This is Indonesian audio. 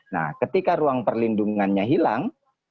nah ketika ruang perlindungannya hilang